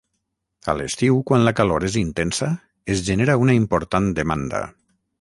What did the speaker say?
A l'estiu quan la calor és intensa es genera una important demanda.